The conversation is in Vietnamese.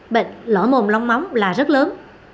bệnh lõi mồm lông móng là rất lớn